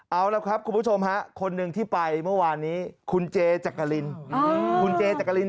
เอาแล้วครับคุณผู้ชมฮะคนหนึ่งที่ไปเมื่อวานนี้คุณเจจักริน